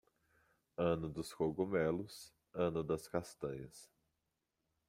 Ano dos cogumelos, ano das castanhas.